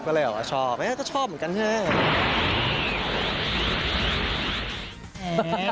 ก็เลยออกว่าชอบเอ๊ะก็ชอบเหมือนกันเถอะ